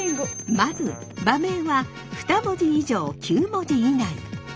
まず馬名は２文字以上９文字以内。